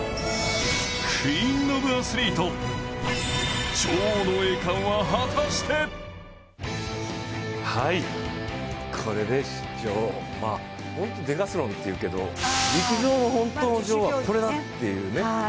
クイーンオブアスリート、女王の栄冠は果たしてこれでデガスロンっていうけど、陸上の本当の女王はこれだっていうね。